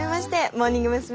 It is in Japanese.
モーニング娘。